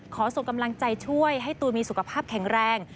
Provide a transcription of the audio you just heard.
ขอส่งกำลังใจช่วยให้ตูนมีสุขภาพแข็งแรง